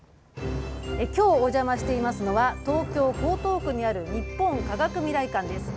きょうお邪魔していますのは、東京・江東区にある日本科学未来館です。